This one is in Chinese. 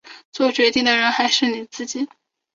作决定的人还是你自己